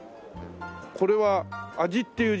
これは味っていう字だね。